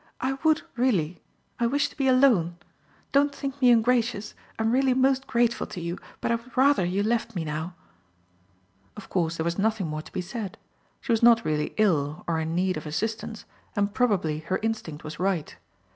"I would, really. I wish to be alone. Don't think me ungracious. I am really most grateful to you, but I would rather you left me now." Of course there was nothing more to be said. She was not really ill or in need of assistance, and probably her instinct was right.